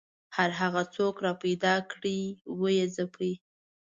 هر هغه څوک راپیدا کړي ویې ځپي